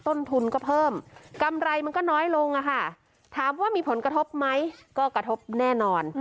ต้นทุนก็เพิ่มกำไรมันก็น้อยลงอะค่ะถามว่ามีผลกระทบไหมก็กระทบแน่นอน